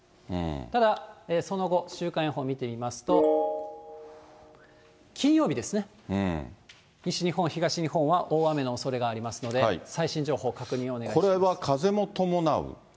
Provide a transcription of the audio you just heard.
ただ、その後、週間予報見てみますと、金曜日ですね、西日本、東日本は大雨のおそれがありますので、最新情報、確認をお願いしこれは風も伴う？